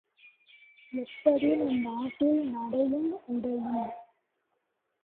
எப்படி நம்நாட்டில் நடையும் உடையும்?